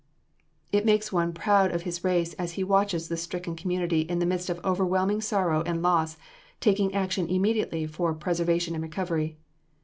It makes one proud of his race as he watches this stricken community in the midst of overwhelming sorrow and loss taking action immediately for preservation and recovery.